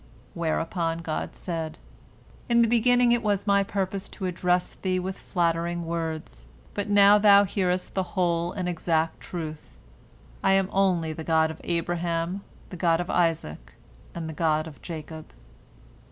Whereupon God said, "In the beginning it was My purpose to address thee with flattering words, but now thou hearest the whole and exact truth, I am only the God of Abraham, the God of Isaac, and the God of Jacob."